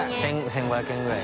１５００円ぐらい。